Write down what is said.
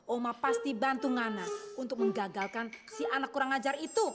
oma pasti bantu ngana untuk menggagalkan si anak kurang ngajar itu